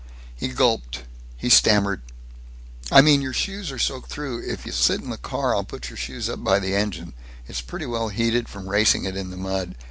He gulped. He stammered, "I mean I mean your shoes are soaked through. If you'll sit in the car, I'll put your shoes up by the engine. It's pretty well heated from racing it in the mud.